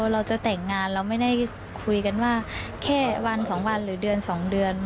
เราจะแต่งงานเราไม่ได้คุยกันว่าแค่วัน๒วันหรือเดือน๒เดือน